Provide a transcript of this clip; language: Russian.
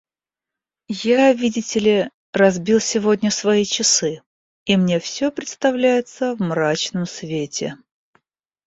Я, видите ли, разбил сегодня свои часы и мне всё представляется в мрачном свете.